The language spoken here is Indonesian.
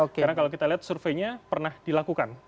karena kalau kita lihat surveinya pernah dilakukan